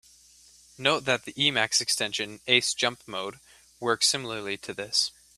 Note that the Emacs extension "Ace jump mode" works similarly to this.